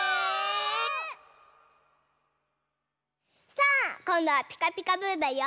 さあこんどは「ピカピカブ！」だよ！